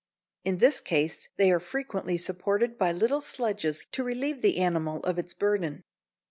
In this case they are frequently supported by little sledges to relieve the animal of its burden.